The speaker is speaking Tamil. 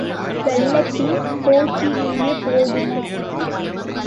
வெள்ளத்தின் போக்கிலேயே போகுமா?